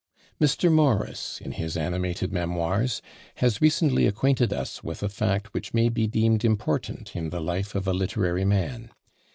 Mr. Maurice, in his animated Memoirs, has recently acquainted us with a fact which may be deemed important in the life of a literary man.